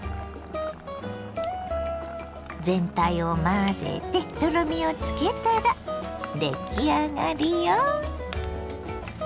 全体を混ぜてとろみをつけたらでき上がりよ。